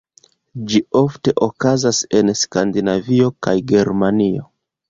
Ĝi ofte okazas en Skandinavio kaj Germanio.